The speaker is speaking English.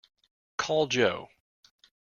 Call Joe.